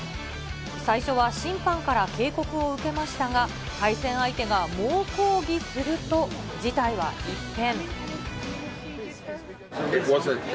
最初は審判から警告を受けましたが、対戦相手が猛抗議すると、事態は一転。